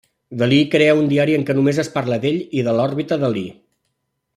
Dalí crea un diari en què només es parla d'ell i de l'òrbita Dalí.